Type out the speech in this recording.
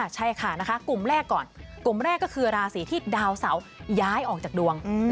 ใช่ค่ะกลุ่มแรกก่อนกลุ่มแรกก็คือราศีที่ดาวเสาย้ายออกจากดวง